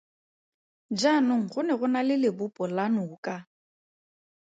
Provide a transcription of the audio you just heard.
Jaanong go ne go na le lebopo la noka!